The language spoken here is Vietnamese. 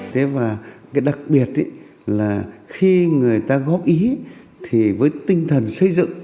thế và cái đặc biệt là khi người ta góp ý thì với tinh thần xây dựng